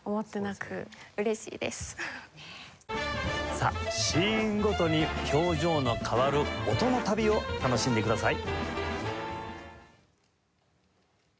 さあシーンごとに表情の変わる音の旅を楽しんでください。